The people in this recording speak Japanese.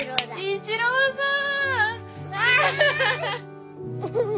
一郎さん。